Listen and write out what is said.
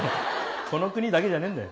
この国だけじゃねえんだよ。